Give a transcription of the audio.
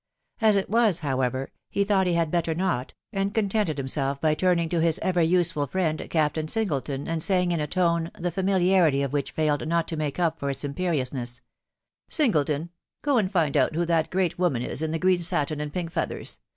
As it was, however, he thought he bad better not, and contented himself by turning to his ever oseftd friend Captain Singleton, and saying in a tone, the fsmiBintj of which failed not to make up for its imperiousness, " Bmajk* ton !.... go and find out who that great woman is in the green satin and pink feathers